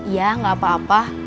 ya gak apa apa